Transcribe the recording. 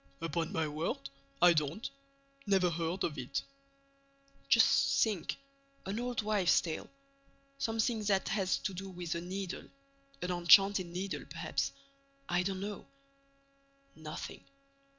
"Upon my word, I don't—never heard of it—" "Just think—an old wives' tale—something that has to do with a needle. An enchanted needle, perhaps.—I don't know—" Nothing.